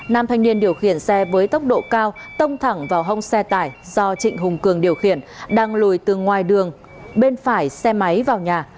nam thanh niên điều khiển xe với tốc độ cao tông thẳng vào hông xe tải do trịnh hùng cường điều khiển đang lùi từ ngoài đường bên phải xe máy vào nhà